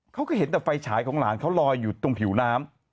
เขาก็เห็นแต่ไฟฉายของหลานเขาลอยอยู่ตรงผิวน้ำ